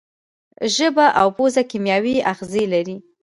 ژبه او پزه کیمیاوي آخذې لري.